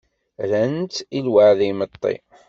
Rran-tt i lweɛd imeṭṭi.